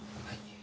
はい。